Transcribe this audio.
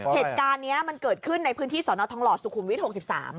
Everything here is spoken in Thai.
เหตุการณ์นี้มันเกิดขึ้นในพื้นที่สอนอทองหล่อสุขุมวิทย๖๓